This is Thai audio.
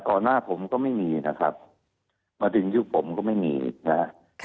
หน้าผมก็ไม่มีนะครับมาถึงยุคผมก็ไม่มีนะครับ